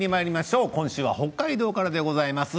今週は北海道からです。